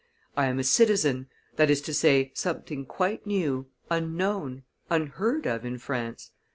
I am a citizen; that is to say, something quite new, unknown, unheard of in France.